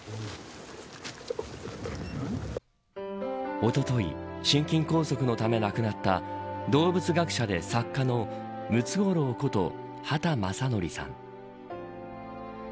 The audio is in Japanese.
おととい心筋梗塞のため亡くなった動物学者で作家のムツゴロウこと畑正憲さん。